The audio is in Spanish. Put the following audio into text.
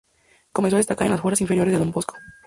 Comenzó a destacar en las fuerzas inferiores del Don Bosco.